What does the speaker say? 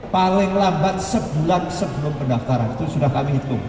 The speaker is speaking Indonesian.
paling lambat sebulan sebelum pendaftaran itu sudah kami hitung